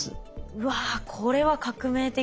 うわこれは革命的。